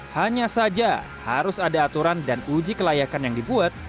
hanya saja harus ada aturan dan uji kelayakan yang dibuat